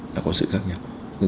là có sự khác nhau